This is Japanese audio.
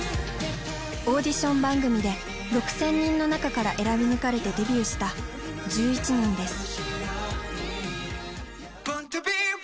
オーディション番組で６，０００人の中から選び抜かれてデビューした１１人です。